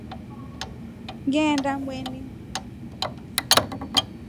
Ngeenda Mweni.